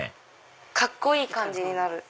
カッコいい感じになる。